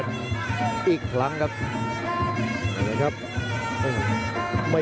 ทุกคนค่ะ